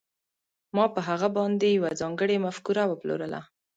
ما په هغه باندې یوه ځانګړې مفکوره وپلورله